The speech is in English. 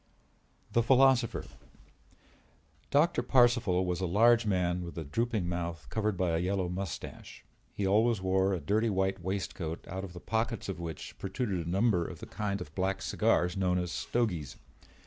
THE PHILOSOPHER Doctor Parcival was a large man with a drooping mouth covered by a yellow mustache. He always wore a dirty white waistcoat out of the pockets of which protruded a number of the kind of black cigars known as stogies.